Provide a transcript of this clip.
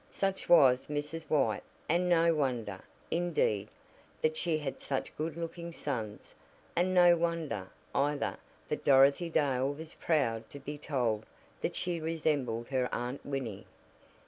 Such was Mrs. White, and no wonder, indeed, that she had such good looking sons, and no wonder, either, that Dorothy Dale was proud to be told that she resembled her Aunt Winnie.